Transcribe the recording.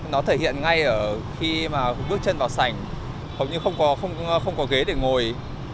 nó thể hiện ngay khi mà bước chân vào sảnh hầu như không có ghế để ngồi